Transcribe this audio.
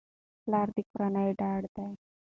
پلار د کورنۍ ډډه ده.